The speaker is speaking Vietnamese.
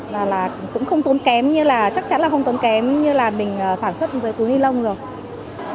và là cũng không tốn kém như là chắc chắn là không tốn kém như là mình sản xuất với túi ni lông rồi